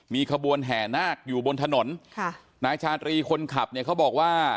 มีขบวนแห่นาคอยู่บนถนนนาชาตรีคนขับเขาบอกว่า